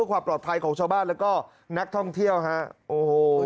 ความปลอดภัยของชาวบ้านและก็นักท่องเที่ยวครับ